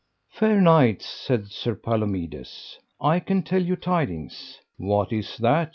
Fair knights, said Sir Palomides, I can tell you tidings. What is that?